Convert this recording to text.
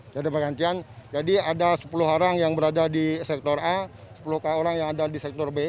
jadi ada bergantian jadi ada sepuluh orang yang berada di sektor a sepuluh orang yang ada di sektor b